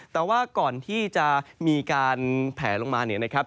แต่ว่าก่อนที่จะมีการแผลลงมาเนี่ยนะครับ